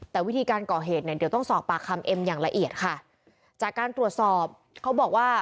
แต่วิธีการก่อเหตุเนี่ยเดี๋ยวต้องสอบปากคำเอ็มอย่างละเอียดค่ะ